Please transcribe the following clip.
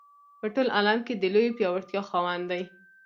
په ټول عالم کې د لویې پیاوړتیا خاوند دی.